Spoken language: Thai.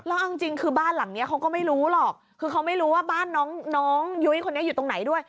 แล้วเอาจริงคือบ้านหลังนี้เขาก็ไม่รู้หรอกคือเขาไม่รู้ว่าบ้านน้องยุ้ยคนนี้อยู่ตรงไหนด้วย